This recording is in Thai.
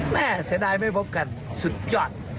แน่ใส่ดายไม่พบกันสุดยอด